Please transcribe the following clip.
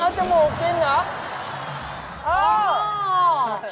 เอาจมูกกินเหรอ